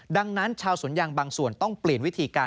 ดังนั้นชาวสวนยางบางส่วนต้องเปลี่ยนวิธีการ